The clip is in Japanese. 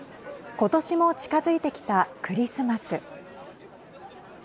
今年も近づいてきたクリスマス。